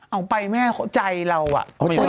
เอาไปแม่ใจเราอ่ะ